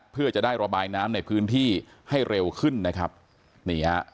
เพื่อจะได้ระบายน้ำในพื้นที่ให้เร็วขึ้นนะครับนี่ฮะ